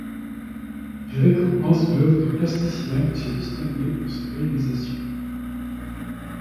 Il récompense l'œuvre d'un plasticien qui s'est distingué pour ses réalisations.